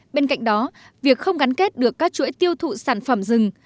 bên cạnh đó việc không gắn kết được các chuỗi tiêu thụ sản phẩm rừng